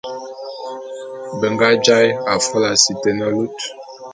Be nga jaé afôla si te ne lut.